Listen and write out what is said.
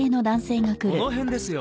この辺ですよ。